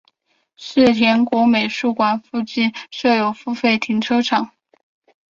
世田谷美术馆附近设有付费停车场。